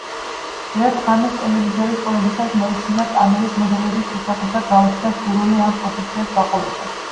ერთ ღამეს ტელევიზორის ყურებისას მოისმინა „კამერის მოდელების“ შესახებ და გაუჩნდა სურვილი ამ პროფესიას გაყოლოდა.